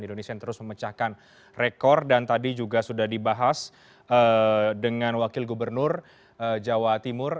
indonesia yang terus memecahkan rekor dan tadi juga sudah dibahas dengan wakil gubernur jawa timur